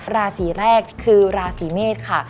ราศีแรกคือราศีเมษค่ะ